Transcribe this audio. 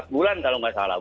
empat bulan kalau nggak salah